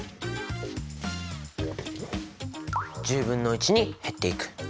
１０分の１に減っていく。